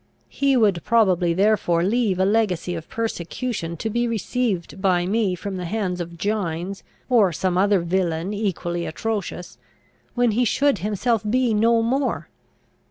He would probably therefore leave a legacy of persecution to be received by me from the hands of Gines, or some other villain equally atrocious, when he should himself be no more.